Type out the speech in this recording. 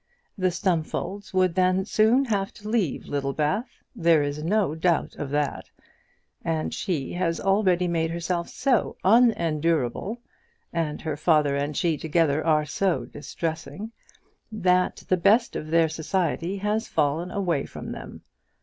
The Stumfolds would then soon have to leave Littlebath, there is no doubt of that, and she has already made herself so unendurable, and her father and she together are so distressing, that the best of their society has fallen away from them.